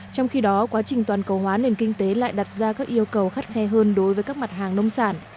trong khi đó quá trình toàn cầu hóa nền kinh tế lại đặt ra các yêu cầu khắt khe hơn đối với các mặt hàng nông sản